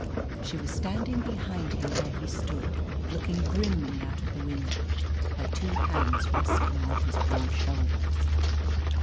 She was standing behind him where he stood, looking grimly out of the window, her two hands resting on his broad shoulders.